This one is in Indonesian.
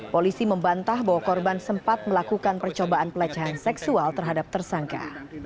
polisi membantah bahwa korban sempat melakukan percobaan pelecehan seksual terhadap tersangka